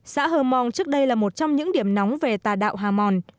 xã hờ mong trước đây là một trong những điểm nóng về tà đạo hà mòn